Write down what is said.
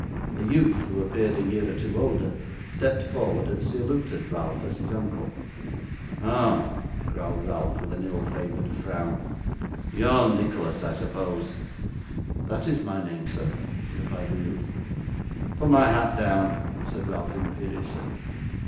A youth, who appeared a year or two older, stepped forward and saluted Ralph as his uncle. 'Oh,' growled Ralph, with an ill favoured frown, 'you are Nicholas, I suppose?' 'That is my name, sir,' replied the youth. 'Put my hat down,' said Ralph, imperiously.